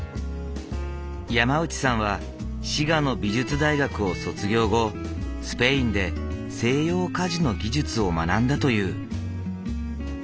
山内さんは滋賀の美術大学を卒業後スペインで西洋鍛冶の技術を学んだという。